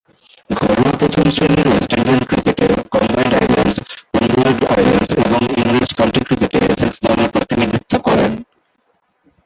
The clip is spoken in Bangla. ঘরোয়া প্রথম-শ্রেণীর ওয়েস্ট ইন্ডিয়ান ক্রিকেটে কম্বাইন্ড আইল্যান্ডস, উইন্ডওয়ার্ড আইল্যান্ডস এবং ইংরেজ কাউন্টি ক্রিকেটে এসেক্স দলের প্রতিনিধিত্ব করেন।